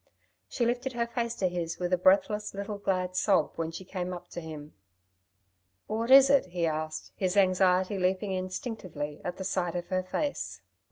She lifted her face to his with a breathless little glad sob when she came up to him. "What is it?" he asked, his anxiety leaping instinctively at the sight of her face.